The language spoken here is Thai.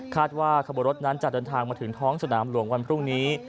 ว่าขบวนรถนั้นจะเดินทางมาถึงท้องสนามหลวงวันพรุ่งนี้